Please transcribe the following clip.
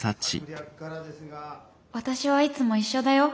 私はいつも一緒だよ